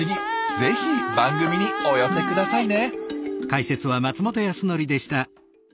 ぜひ番組にお寄せくださいね。